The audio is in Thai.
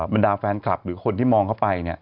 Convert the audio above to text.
บรรดาแฟนคลับหรือคนที่มองเข้าไป